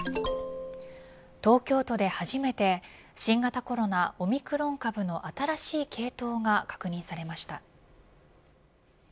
東京都で初めて新型コロナオミクロン株の新しい系統が確認されました。